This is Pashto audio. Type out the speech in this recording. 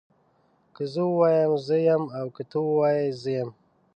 که زه ووایم زه يم او که ته ووايي زه يم